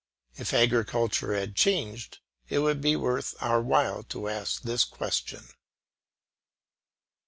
If agriculture had changed, it would be worth our while to ask this question.